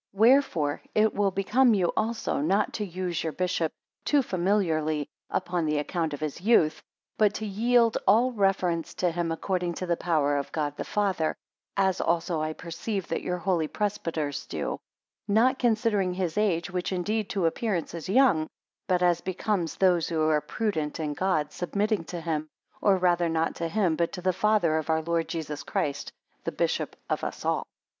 6 Wherefore it will become you also not to use your bishop too familiarly upon the account of his youth; but to yield all reverence to him according to the power of God the Father; as also I perceive that your holy presbyters do: not considering his age, which indeed to appearance is young; but as becomes those who are prudent in God, submitting to him, or rather not to him but to the Father of our Lord Jesus Christ, the bishop of us all.